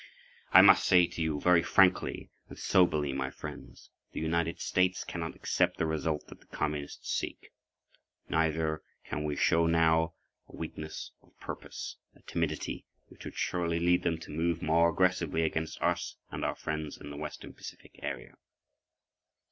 I must say to you very frankly and soberly, my friends, the United States cannot accept the result that the Communists seek. Neither can we show, now, a weakness of purpose—a timidity—which would surely lead them to move more aggressively [pg 14]against us and our friends in the western Pacific area.